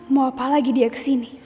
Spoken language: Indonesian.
mau apa lagi dia kesini